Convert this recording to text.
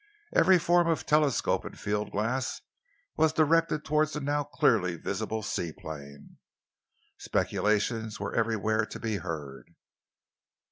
Every form of telescope and field glass was directed towards the now clearly visible seaplane. Speculations were everywhere to be heard.